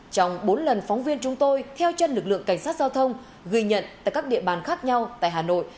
trong bốn lần phóng viên chúng tôi theo chân lực lượng cảnh sát giao thông ghi nhận tại các địa bàn khác nhau tại hà nội